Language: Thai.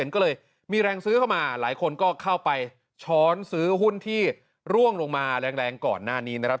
ก็เลยมีแรงซื้อเข้ามาหลายคนก็เข้าไปช้อนซื้อหุ้นที่ร่วงลงมาแรงก่อนหน้านี้นะครับ